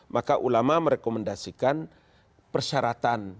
maka ulama merekomendasikan persyaratan